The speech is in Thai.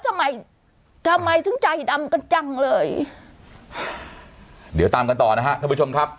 เย็นตามต่อนะคะท่านผู้ชมครับ